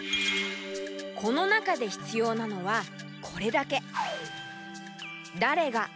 この中でひつようなのはこれだけ。